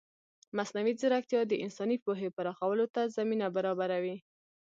مصنوعي ځیرکتیا د انساني پوهې پراخولو ته زمینه برابروي.